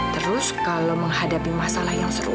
terus kalau menghadapi masalah yang seru